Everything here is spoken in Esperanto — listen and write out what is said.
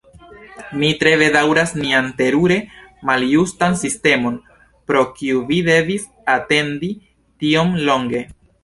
Mi tre bedaŭras nian terure maljustan sistemon, pro kiu vi devis atendi tiom longe!